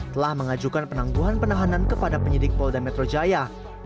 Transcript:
telah mengajukan penangguhan penahanan kepada penyidik polda metro jaya